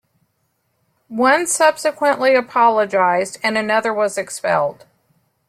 One subsequently apologised, and another was expelled.